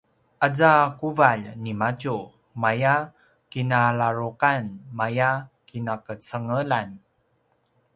aza quvalj nimadju maya kinaladruqan maya kinaqecengelan